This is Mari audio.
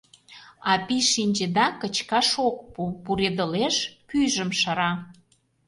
А пий, шинчеда, кычкаш ок пу, пуредылеш, пӱйжым шыра.